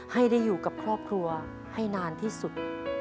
ให้ได้อยู่กับครอบครัวให้นานที่สุด